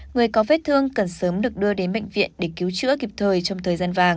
người có vết thương cần sớm được đưa đến bệnh viện để cứu chữa kịp thời trong thời gian vàng